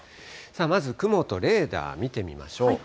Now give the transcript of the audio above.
まず雲とレーダー見てみましょう。